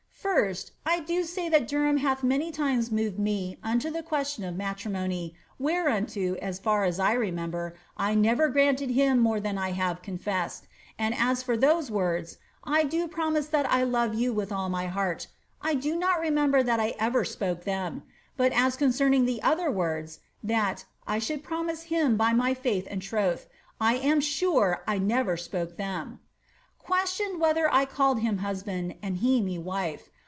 ^ First, I do say that Derham hath many times moved me unto the question of matrimony, whereunto, as far as I remember, I never granted him more than I have confessed ; and as for those words, ^ I do promise that I love you with all my heart,' I do not remember that I ever spoke them ; but as concerning the other words, that ' I should promise him by my iaith and trotli,' I am sure 1 never spoke them. ^ Questioned whether I called him husband, and he me wife